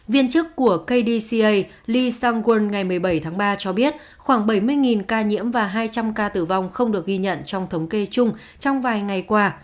viên chức của kdca lee sang won ngày một mươi bảy tháng ba cho biết khoảng bảy mươi ca nhiễm và hai trăm linh ca tử vong không được ghi nhận trong thống kê chung trong vài ngày qua